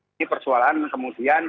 ini persoalan kemudian